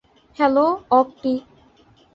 Hello, অক্টি।